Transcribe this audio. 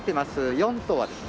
４棟はですね